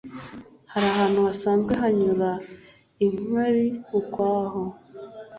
hari ahantu hasanzwe hanyura inkari ukwaho